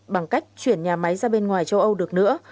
bằng cách chuyển nhà máy ra bên ngoài châu âu được nữa